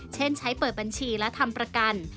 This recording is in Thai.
เช่นใช้เปิดบัญชีและทำประกัน